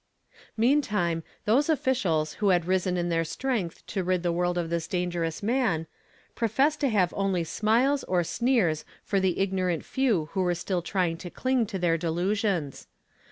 Meantime, those officials who had risen in their strength to rid the world of this dangerous man, professed to have only smiles or sneers for the ignorant few who were still trying to cling to their delusions.